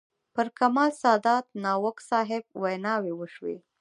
پر کمال سادات، ناوک صاحب ویناوې وشوې.